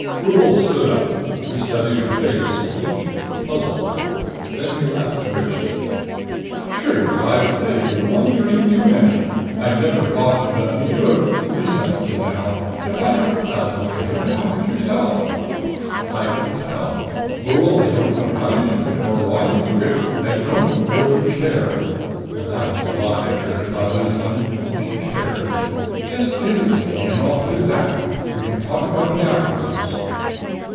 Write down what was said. Brule stood up. He studied her face, blinking, puzzled. Then he laughed, richly. "Trigger, I've fed you one drink too many! I never thought you'd let me do it. Be sensible now if I had a plasmoid here, how could you tell?" "I can tell. Brule, I don't know how you took it or why you took it. I don't really care." And that was a lie, Trigger thought dismally. She cared. "Just give it to me, and I'll put it back. We can talk about it afterwards."